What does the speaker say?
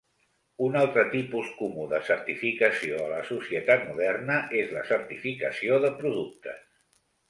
Un altre tipus comú de certificació a la societat moderna és la certificació de productes.